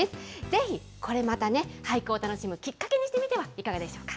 ぜひ、これまたね、俳句をするきっかけにしてみてはいかがでしょ